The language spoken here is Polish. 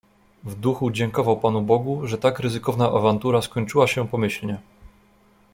"W duchu dziękował Panu Bogu, że tak ryzykowna awantura skończyła się pomyślnie."